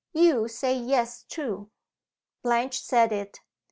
You say Yes too." Blanche said it.